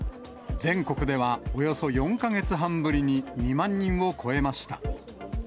全国では、およそ４か月半ぶりに２万人を超えました。